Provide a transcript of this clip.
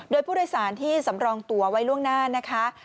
โดยผู้โดยสารที่สำรองตัวไว้ล่วงหน้านะคะ